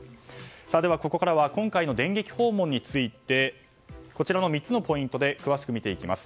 では、ここからは今回の電撃訪問についてこちらの３つのポイントで詳しく見ていきます。